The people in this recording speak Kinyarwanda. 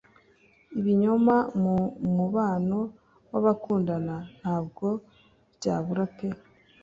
Ibinyoma mu mubano w’abakundana ntabwo byabura pe